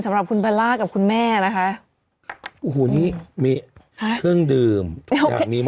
สำหรับคุณบัลล่ากับคุณแม่นะคะโอ้โหนี่มีเครื่องดื่มทุกอย่างนี้